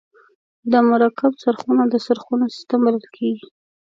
دا مرکب څرخونه د څرخونو سیستم بلل کیږي.